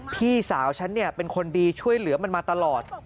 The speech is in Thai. พี่สาวฉันเป็นคนดีช่วยเหลือมันมาตลอด